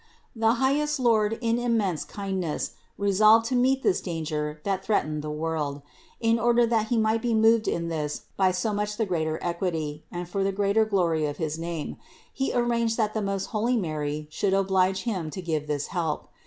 The highest Lord in immense kind ness resolved to meet this danger that threatened the world. In order that He might be moved in this by so much the greater equity and for the greater glory of his name, He arranged that the most holy Mary should oblige Him to give this help.